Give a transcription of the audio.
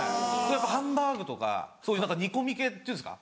ハンバーグとかそういう何か煮込み系っていうんですか？